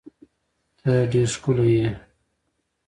ته ډیر ښکلی یی